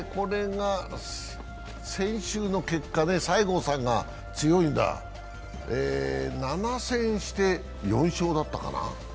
先週の結果ね、西郷さんが強いんだ７戦して４勝だったかな。